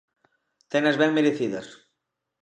Tenas ben merecidas.